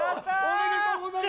おめでとうございます。